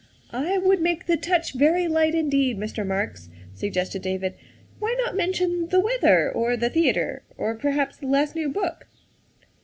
" I would make the touch very light indeed, Mr. Marks," suggested David. " Why not mention the weather, or the theatre, or perhaps the last new book